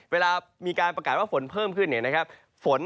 เวลามีการประกาศว่าฝนเพิ่มขึ้นฝน